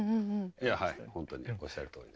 本当におっしゃるとおりです。